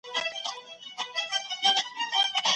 هغې ولي له خپل خاوند سره ګډ ژوند نه کاوه؟